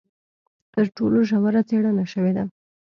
تر ټولو ژوره څېړنه شوې ده.